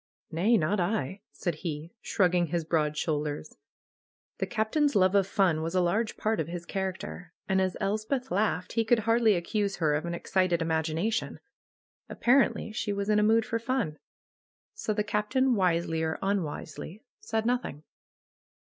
"Nay! Not I!" said he, shrugging his broad shoul ders. The Captain's love of fun was a large part of his character. And as Elspeth laughed, he could hardly accuse her of an excited imagination. Apparently, she THE KNELL OF NAT PAGAN 129 was in a mood for fun. So the Captain wisely or un wisely said nothing.